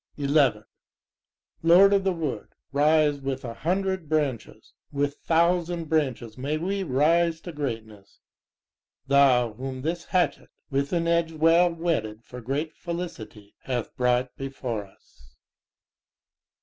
11 Lord of the Wood, rise with a hundred branches. with thousand branches may we rise to greatness, Tlou whom this hatchct, with an edge well whetted for great felicity, hath brought before us.